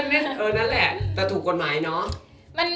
นั่นแหละแต่ถูกกฎหมายเนอะ